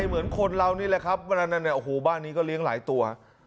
เหมือนคนเรานี่แหละครับวันนั้นเนี่ยโอ้โหบ้านนี้ก็เลี้ยงหลายตัว